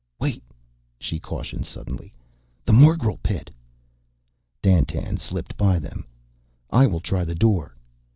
"Wait," she cautioned suddenly. "The morgel pit...." Dandtan slipped by them. "I will try the door."